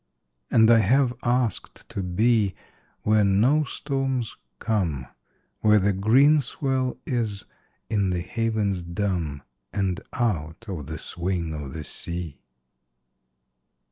And I have asked to be Where no storms come, Where the green swell is in the havens dumb, And out of the swing of the sea.